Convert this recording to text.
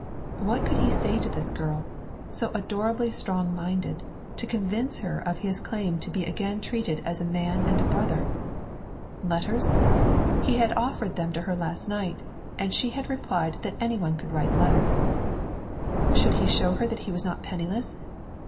What could he say to this girl, so adorably strong minded, to convince her of his claim to be again treated as a man and a brother? Letters? He had offered them to her last night, and she had replied that any one could write letters. Should he show that he was not penniless?